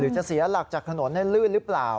จะเสียหลักจากถนนลื่นหรือเปล่า